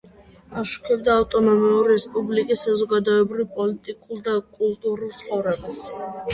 აშუქებდა ავტონომიური რესპუბლიკის საზოგადოებრივ-პოლიტიკურ და კულტურულ ცხოვრებას.